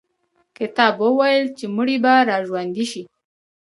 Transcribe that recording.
کتاب وویل چې مړي به را ژوندي شي.